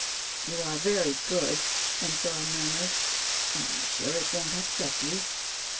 "You are very good," Ensor murmured, "are you sure it won't upset you?"